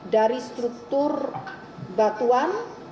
dari struktur batuan